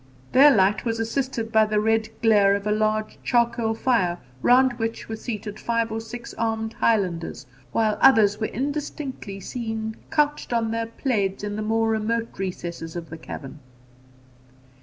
Their light was assisted by the red glare of a large charcoal fire, round which were seated five or six armed Highlanders, while others were indistinctly seen couched on their plaids in the more remote recesses of the cavern.